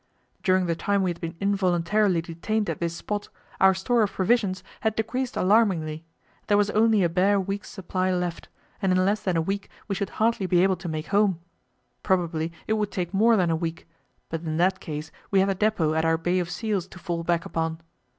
During the time we had been involuntarily detained at this spot, our store of provisions had decreased alarmingly; there was only a bare week's supply left, and in less than a week we should hardly be able to make home; probably it would take more than a week, but in that case we had the depot at our Bay of Seals to fall back upon.